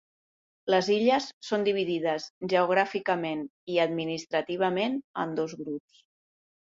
Les illes són dividides geogràficament i administrativament en dos grups.